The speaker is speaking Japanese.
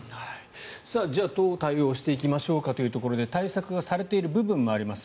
じゃあどう対応していきましょうかというところで対策がされている部分もあります。